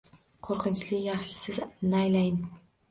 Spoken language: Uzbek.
Qoʻrqinchli yaxshisiz, naylayin.